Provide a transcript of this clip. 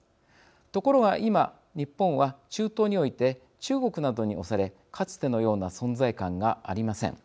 ところが今日本は中東において中国などに押されかつてのような存在感がありません。